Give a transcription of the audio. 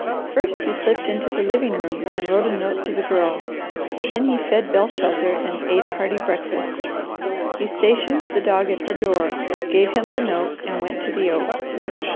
First, he slipped into the living room and wrote a note to the Girl. Then he fed Belshazzar and ate a hearty breakfast. He stationed the dog at her door, gave him the note, and went to the oak.